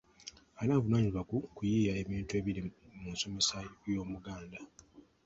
Ani avunaanyizibwa ku kuyiiya ebintu ebiri mu nsomesa Y’Omuganda?